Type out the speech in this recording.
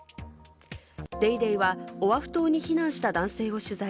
『ＤａｙＤａｙ．』はオアフ島に避難した男性を取材。